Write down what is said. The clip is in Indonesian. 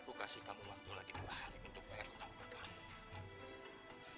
aku kasih kamu waktu lagi setelah hari untuk bayar hutang hutang kamu